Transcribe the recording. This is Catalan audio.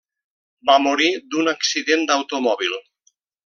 Va morir d'un accident d'automòbil.